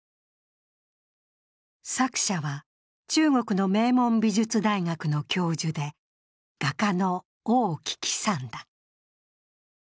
作者は中国の名門美術大学の教授で、画家の王希奇さんだ。